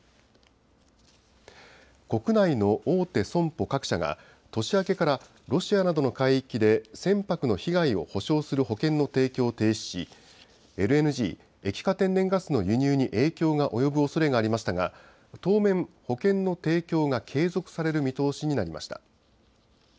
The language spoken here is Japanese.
国内の大手損保各社が、年明けから、ロシアなどの海域で船舶の被害を補償する保険の提供を停止し、ＬＮＧ・液化天然ガスの輸入に影響が及ぶおそれがありましたが、当面、保険の提供が継続される見通しになりました。